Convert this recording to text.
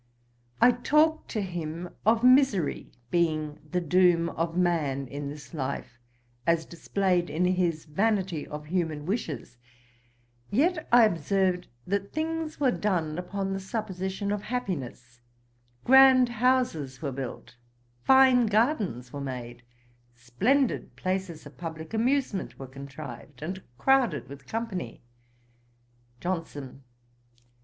I talked to him of misery being 'the doom of man' in this life, as displayed in his Vanity of Human Wishes'. Yet I observed that things were done upon the supposition of happiness; grand houses were built, fine gardens were made, splendid places of publick amusement were contrived, and crowded with company. JOHNSON.